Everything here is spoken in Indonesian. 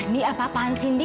di apa apaan sih ndi